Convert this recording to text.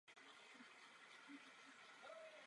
Překládal z angličtiny.